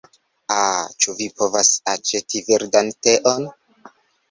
Ah, ĉu mi povas aĉeti verdan teon?